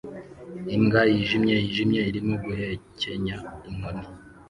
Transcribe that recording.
Imbwa yijimye yijimye irimo guhekenya inkoni